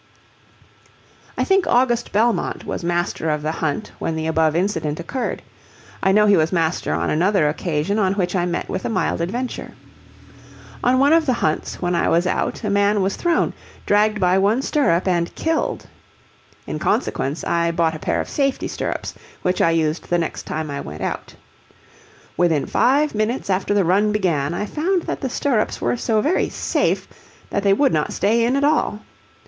I think August Belmont was master of the hunt when the above incident occurred. I know he was master on another occasion on which I met with a mild adventure. On one of the hunts when I was out a man was thrown, dragged by one stirrup, and killed. In consequence I bought a pair of safety stirrups, which I used the next time I went out. Within five minutes after the run began I found that the stirrups were so very "safe" that they would not stay in at all.